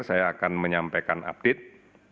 saya akan menyampaikan update